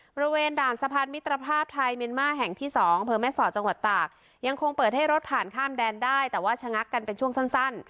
บริเวณด่านสะพานมิตรภาพไทยเมียนมาร์แห่งที่สองอำเภอแม่สอดจังหวัดตากยังคงเปิดให้รถผ่านข้ามแดนได้แต่ว่าชะงักกันเป็นช่วงสั้น